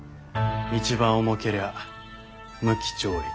一番重けりゃ無期懲役。